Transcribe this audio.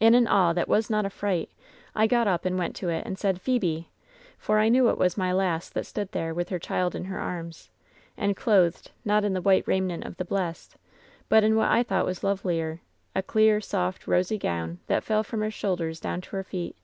"In an awe that was not a fright, I got up and went to it and said Thebe !' for I knew it was my lass that stood there, with her child in her arms, and clothed, not in the white raiment of the blest, but in what I thought «8* LOVERS BITTEREST CUP was lovelier, a clear, soft, rosy gown that fell from her shoulders down to her feet.